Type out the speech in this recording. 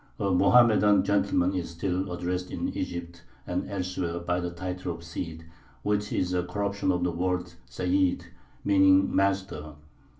A Mohammedan gentleman is still addressed in Egypt and elsewhere by the title Sīd, which is a corruption of the word Seyyid, meaning "master."